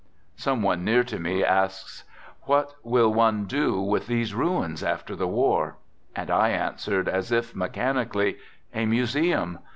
... Some one near to me asks: "What will one do with these ruins after the war? 99 And I answered, as if mechanically: "A museum.